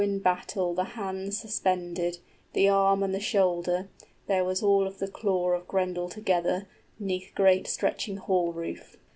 } When the hero in battle the hand suspended, The arm and the shoulder (there was all of the claw 45 Of Grendel together) 'neath great stretching hall roof.